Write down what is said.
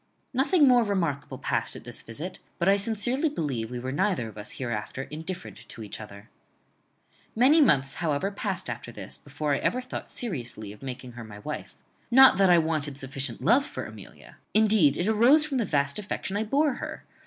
Nothing more remarkable passed at this visit; but I sincerely believe we were neither of us hereafter indifferent to each other. "Many months, however, passed after this, before I ever thought seriously of making her my wife. Not that I wanted sufficient love for Amelia. Indeed it arose from the vast affection I bore her.